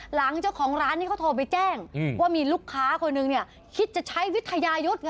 หลังเจ้าของร้านนี้เขาโทรไปแจ้งว่ามีลูกค้าคนหนึ่งคิดจะใช้วิทยายุทธ์ไง